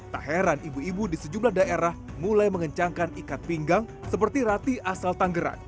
tak heran ibu ibu di sejumlah daerah mulai mengencangkan ikat pinggang seperti rati asal tanggerang